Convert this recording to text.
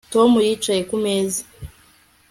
Tom yicaye ku meza